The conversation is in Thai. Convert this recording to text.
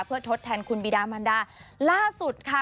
เพื่อทดแทนคุณบีดามันดาล่าสุดค่ะ